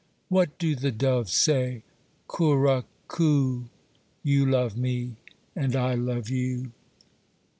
'What do the doves say? Curuck Coo, You love me and I love you.'